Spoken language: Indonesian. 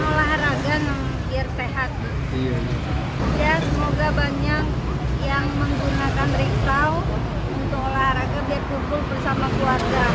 semoga banyak yang menggunakan riksao untuk olahraga biar kumpul bersama keluarga